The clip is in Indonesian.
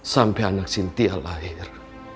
sampai anak sinti lahir